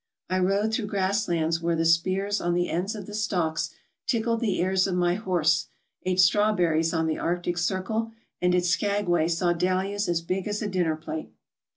I rode through grasslands where the spears on the ends of the stalks tickled the ears of my horse, ate strawberries on the Arctic Circle, and at Skag way saw dahlias as big as a dinner plate.